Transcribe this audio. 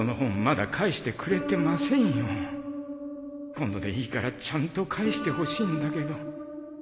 今度でいいからちゃんと返してほしいんだけど